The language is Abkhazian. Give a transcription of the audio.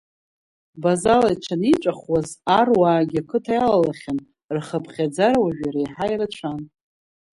Базала иҽаниҵәахуаз аруаагьы ақыҭа иалалахьан, рхыԥхьаӡара уажәы реиҳа ирацәан.